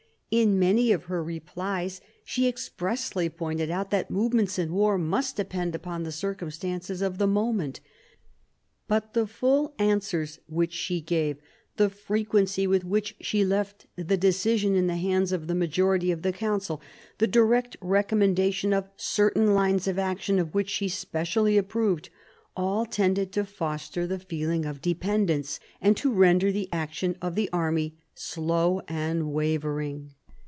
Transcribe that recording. In many of her replies she expressly pointed out that movements in war must depend upon the circumstances of the moment. But the full answers which she gave, the frequency with which she left the decision in the hands of the majority of the council, the direct recommendation of certain lines of action of which she specially approved, all tended to foster the feeling of dependence, and to render the action of the army slow and wavering.